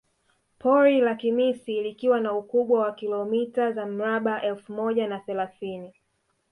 Pori la Kimisi likiwa na ukubwa wa kilomita za mraba elfu moja na thelathini